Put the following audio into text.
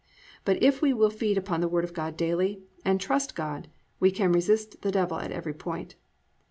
But if we will feed upon the Word of God daily, and trust in God, we can resist the devil at every point.